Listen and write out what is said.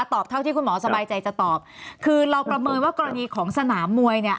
เท่าที่คุณหมอสบายใจจะตอบคือเราประเมินว่ากรณีของสนามมวยเนี่ย